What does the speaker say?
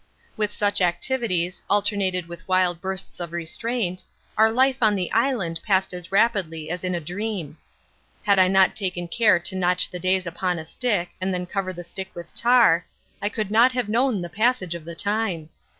With such activities, alternated with wild bursts of restraint, our life on the island passed as rapidly as in a dream. Had I not taken care to notch the days upon a stick and then cover the stick with tar, I could not have known the passage of the time.